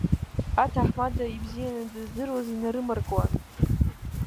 Аҭаҳмада ибзианы дыздыруаз инарымаркуан.